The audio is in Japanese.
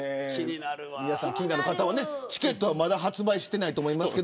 気になる方は、チケットはまだ発売していないと思いますが。